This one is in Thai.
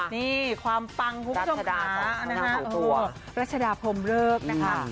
นี่ความปังพุทธขารัชดาพรมเลิกนะคะ